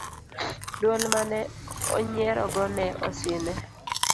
dwol mane onyierogo ne osine